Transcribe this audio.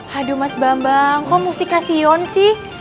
haduh mas bambang kok mustika sion sih